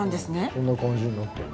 こんな感じになってる。